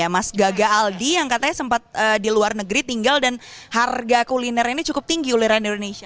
mas gaga aldi yang katanya sempat di luar negeri tinggal dan harga kuliner ini cukup tinggi uliran di indonesia